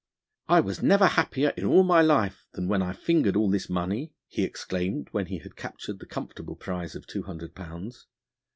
'I was never happier in all my life than when I fingered all this money,' he exclaims when he had captured the comfortable prize of two hundred pounds.